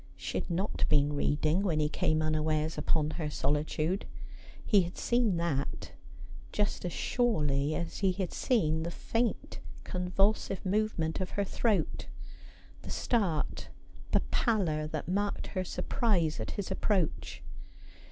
She had not been read ing when he came unawares upon her solitude. He had seen that ; just as surely as he had seen the faint convulsive move ment of her throat, the start, the pallor that marked her surprise at his approach.